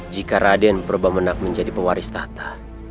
jika raden berbemenak menjadi pewaris tahta